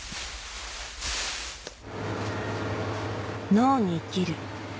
「農に生きる」